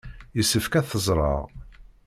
Yessefk ad t-ẓreɣ.